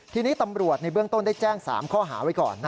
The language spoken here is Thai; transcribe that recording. ทีนี้ตำรวจในเบื้องต้นได้แจ้ง๓ข้อหาไว้ก่อน